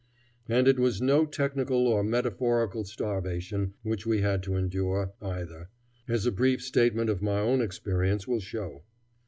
And it was no technical or metaphorical starvation which we had to endure, either, as a brief statement of my own experience will show.